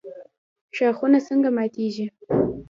ښاخونه څنګه ماتیږي؟